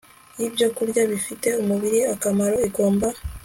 yibyokurya bifitiye umubiri akamaro igomba